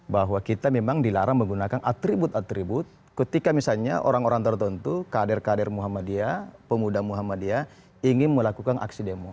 bahwa kita memang dilarang menggunakan atribut atribut ketika misalnya orang orang tertentu kader kader muhammadiyah pemuda muhammadiyah ingin melakukan aksi demo